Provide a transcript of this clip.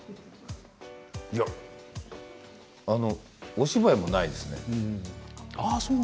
いやお芝居もないですね。